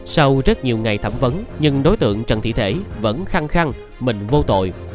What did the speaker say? sau rất nhiều ngày thẩm vấn nhưng đối tượng trần thị thể vẫn khăng khăn mình vô tội